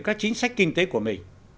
các chính sách kinh tế của mình